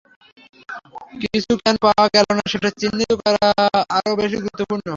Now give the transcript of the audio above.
কিছু কেন পাওয়া গেল না, সেটা চিহ্নিত করা আরও বেশি গুরুত্বপূর্ণ।